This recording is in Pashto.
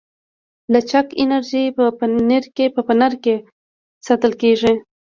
لچک انرژي په فنر کې ساتل کېږي.